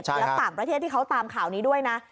แล้วต่างประเทศที่เขาตามข่าวนี้ด้วยนะ